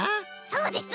そうです！